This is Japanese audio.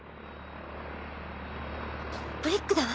ブリッグだわ。